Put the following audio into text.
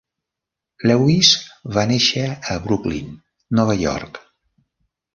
Lewis va néixer a Brooklyn, Nova York.